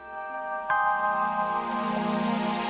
berarti aku bangga sama yang perlu kau bu pl